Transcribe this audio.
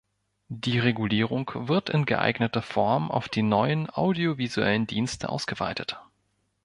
Die Regulierung wird in geeigneter Form auf die neuen audiovisuellen Dienste ausgeweitet.